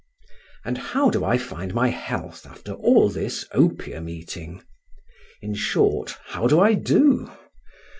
And how do I find my health after all this opium eating? In short, how do I do?